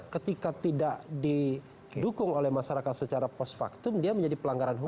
ketika tidak didukung oleh masyarakat secara post factum dia menjadi pelanggaran hukum